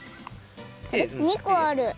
２こある！